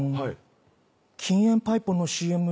禁煙パイポのＣＭ。